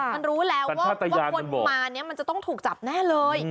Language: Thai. มันรู้แล้วว่าคนมานี้มันจะต้องถูกจับแน่เลย